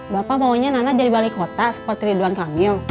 bapak maunya nana jadi wali kota seperti ridwan kamil